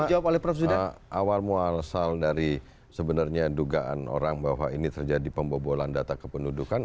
sudah awal mual sal dari sebenarnya dugaan orang bahwa ini terjadi pembobolan data kependudukan